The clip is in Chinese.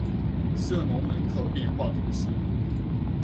瑟隆人口变化图示